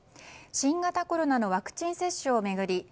新型コロナのワクチン接種を巡り